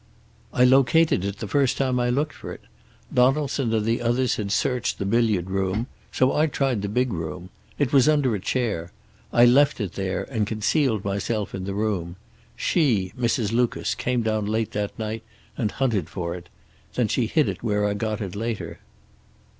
"I located it the first time I looked for it. Donaldson and the others had searched the billiard room. So I tried the big room. It was under a chair. I left it there, and concealed myself in the room. She, Mrs. Lucas, came down late that night and hunted for it. Then she hid it where I got it later."